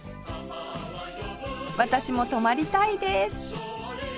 私も泊まりたいです！